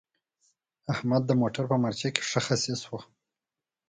احمد د موټر په مارچه کې ښه خصي شو.